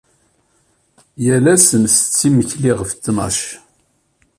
Yal ass nttett imekli ɣef ttnac.